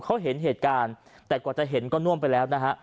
เขาเห็นเหตุการณ์แต่กว่าจะเห็นก็น่วมไปแล้วนะฮะ